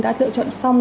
đã lựa chọn xong